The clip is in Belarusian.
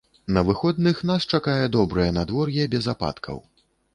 На выходных нас чакае добрае надвор'е без ападкаў.